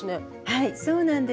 はいそうなんです。